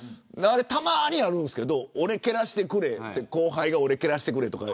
たまにあるんですけど俺、蹴らせてくれ後輩が俺、蹴らせてくれとか。